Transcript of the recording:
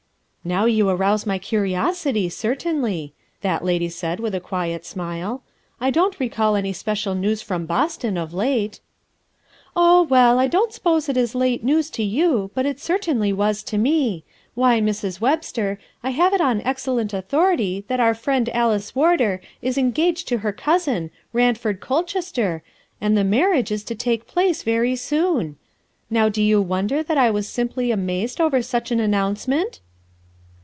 "Now you arouse my curiosity, certainly," that lady said with a quiet smile. "I don't recall any special news from Boston, of late." "Oh, well, I don't suppose it is late news to you, but it certainly was to me. Why, Mrs. S 4 RUTH ERSKINE'S SON Webster, I have it on excelleat authority that our friend Alice Warder is engaged to her cousin, Ranford Colchester, and the marriage is to take place very soon. Now do you wonder that I was simply amazed over such an an nouncement?"